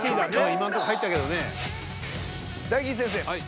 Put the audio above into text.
今のとこ入ったけどね。